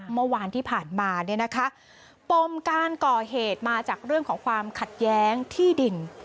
เมื่อวานที่ผ่านมาเนี่ยนะคะปมการก่อเหตุมาจากเรื่องของความขัดแย้งที่ดิน